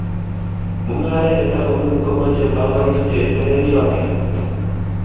Mungaret ne ta komingin komachei panganutik che telelyotin